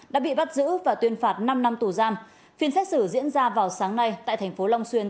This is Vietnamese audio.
đã bị bắt giữ và tuyên phạt năm năm tù giam phiên xét xử diễn ra vào sáng nay tại thành phố long xuyên